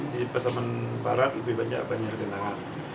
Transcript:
di pasaman barat lebih banyak banjir genangan